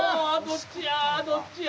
どっちや？